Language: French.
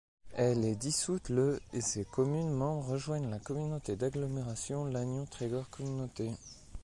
Elle est dissoute le et ses communes membres rejoignent la communauté d'agglomération Lannion-Trégor Communauté.